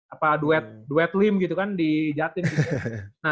apa duet duet lim gitu kan di jatim juga